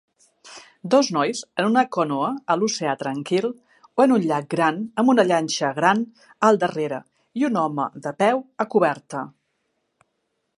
Dos nois en una canoa a l'oceà tranquil o en un llac gran amb una llanxa gran al darrere i un home de peu a coberta.